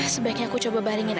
sebaiknya aku coba baringin ayah